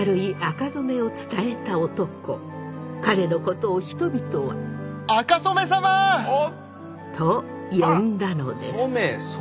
彼のことを人々は。と呼んだのです。